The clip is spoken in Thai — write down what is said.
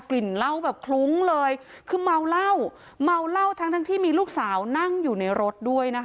ลิ่นเหล้าแบบคลุ้งเลยคือเมาเหล้าเมาเหล้าทั้งทั้งที่มีลูกสาวนั่งอยู่ในรถด้วยนะคะ